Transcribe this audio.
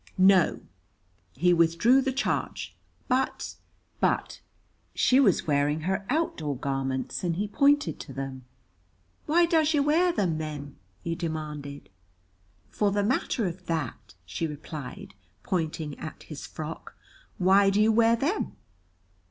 No, he withdrew the charge, but but She was wearing her outdoor garments, and he pointed to them, "Why does yer wear them, then?" he demanded. "For the matter of that," she replied, pointing at his frock, "why do you wear them?"